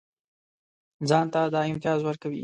ځان ته دا امتیاز ورکوي.